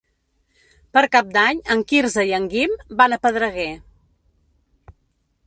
Per Cap d'Any en Quirze i en Guim van a Pedreguer.